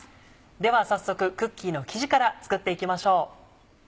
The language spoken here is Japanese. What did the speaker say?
では早速クッキーの生地から作っていきましょう。